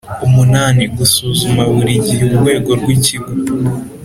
viii Gusuzuma buri gihe urwego rw’ikigo